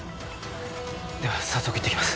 では早速行ってきます。